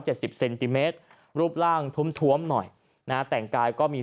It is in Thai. สิบเซนติเมตรรูปร่างทุ่มท้วมหน่อยนะฮะแต่งกายก็มี